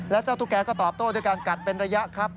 แล้วเจ้าตุ๊กแกก็ตอบโต้ด้วยการกัดเป็นระยะครับ